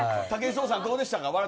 武井壮さん、どうでしたか？